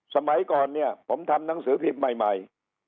สมัยก่อนเนี่ยผมทำหนังสือพิมพ์ใหม่